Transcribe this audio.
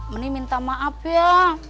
menik minta maaf ya